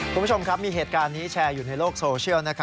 คุณผู้ชมครับมีเหตุการณ์นี้แชร์อยู่ในโลกโซเชียล